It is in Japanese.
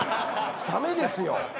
ダメですよ。